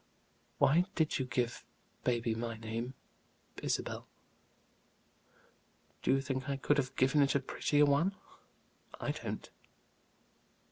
"Why did you give baby my name Isabel?" "Do you think I could have given it a prettier one? I don't."